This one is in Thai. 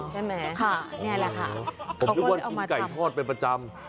ใช่ไหมค่ะนี่แหละค่ะผมนึกว่ากินไก่ทอดเป็นประจำ